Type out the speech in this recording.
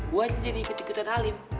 gue jadi kedekutan alim